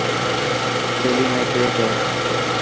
ٿيلي ۾ ڪيڪ هي.